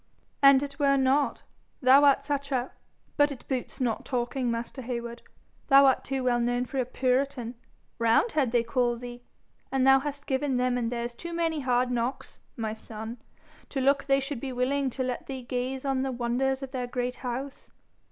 'An' it were not thou art such a ! But it boots not talking, master Heywood. Thou art too well known for a puritan roundhead they call thee; and thou hast given them and theirs too many hard knocks, my son, to look they should be willing to let thee gaze on the wonders of their great house.